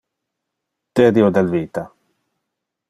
Tedio del vita.